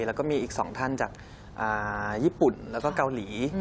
แล้วก็มีอีก๒ท่านจากญี่ปุ่นแล้วก็เกาหลี